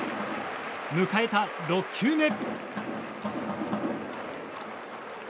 迎えた６球目。